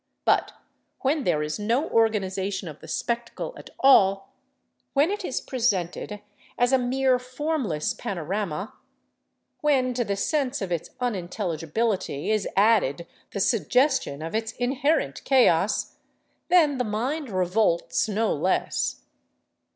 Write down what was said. But when there is no organization of the spectacle at all, when it is presented as a mere formless panorama, when to the sense of its unintelligibility is added the suggestion of its inherent chaos, then the mind revolts no less.